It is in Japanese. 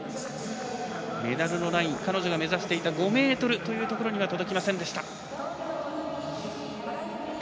メダルのライン彼女が目指していた５ｍというところには届きませんでした。